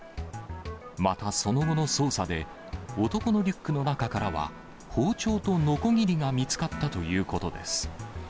またその後の捜査で、男のリュックの中からは、包丁とのこぎりが見つかったということです。